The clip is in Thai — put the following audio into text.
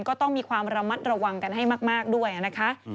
ก็ต้องมีความระมัดระวังกันให้มากด้วยนะคะ